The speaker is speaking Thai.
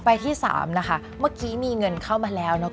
ที่๓นะคะเมื่อกี้มีเงินเข้ามาแล้ว